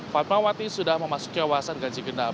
fatmawati sudah memasuki kawasan ganjigenap